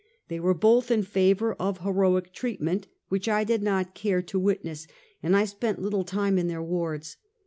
They were_^both in favor of heroic treatment, w^liich I did not care to wit ness, and I spent little time in their wards.